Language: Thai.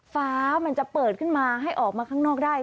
ฟ้ามันจะเปิดขึ้นมาให้ออกมาข้างนอกได้